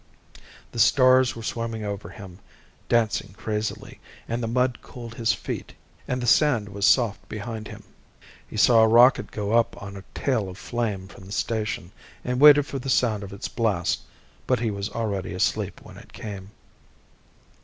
The stars were swimming over him, dancing crazily, and the mud cooled his feet, and the sand was soft behind him. He saw a rocket go up on a tail of flame from the station, and waited for the sound of its blast, but he was already asleep when it came.